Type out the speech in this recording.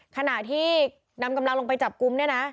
ขณะที่นำกำลังลงไปจับกลุ่มเนี่ยนะ